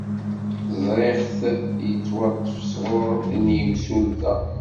Ẓriɣ-t yettwaṭṭef sɣur n yimsulta.